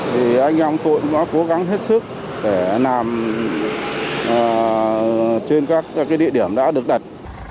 thì anh em tôi cũng đã cố gắng hết sức để làm trên các địa điểm đã được đặt